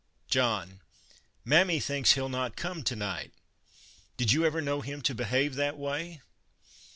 John :" Mammy thinks he '11 not come to night. Did you ever know him to behave that way